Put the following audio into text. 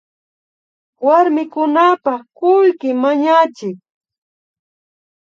Warmikunapak kullki mañachik